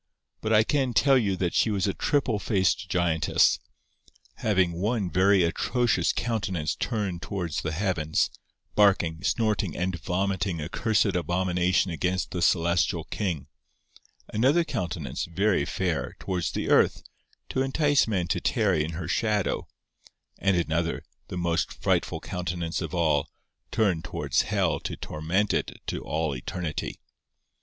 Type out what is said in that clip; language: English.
But I can tell you that she was a triple faced giantess, having one very atrocious countenance turned towards the heavens, barking, snorting, and vomiting accursed abomination against the celestial King; another countenance, very fair, towards the earth, to entice men to tarry in her shadow; and another, the most frightful countenance of all, turned towards Hell to torment it to all eternity.